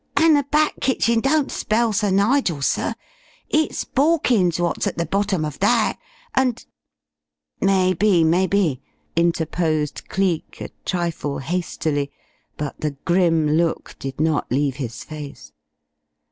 "And the back kitchen don't spell Sir Nigel, sir. It's Borkins wot's at the bottom of that, and " "Maybe, maybe," interposed Cleek, a trifle hastily, but the grim look did not leave his face.